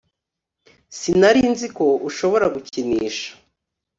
Sinari nzi ko ushobora gukinisha